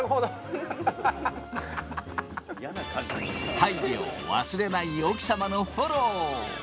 配慮を忘れない奥様のフォロー。